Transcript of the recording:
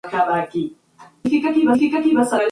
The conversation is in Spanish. De norte a sur, se pueden distinguir varios tramos.